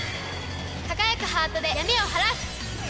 輝くハートで闇を晴らす！